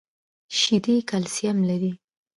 شیدې کلسیم لري